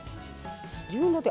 自分の手？